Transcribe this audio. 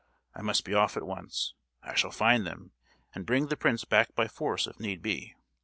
I must be off at once. I shall find them, and bring the prince back by force, if need be.